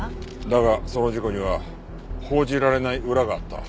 だがその事故には報じられない裏があった。